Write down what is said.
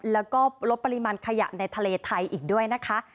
แล้วก็ลดปริมาณขยะในทะเลไทยอีกด้วยนะคะ